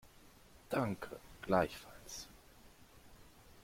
Danke, gleichfalls.